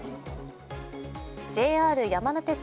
ＪＲ山手線